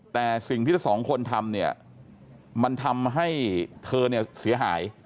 แต่สิ่งที่สองคนทำเนี่ยมันทำให้เธอเสียหาย